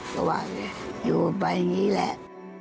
ก็บอกอยู่ไปอย่างนี้แหละ